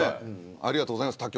ありがとうございます